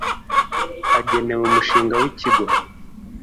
agenewe umushinga w ikigo